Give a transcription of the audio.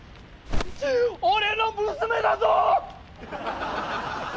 俺の娘だぞ！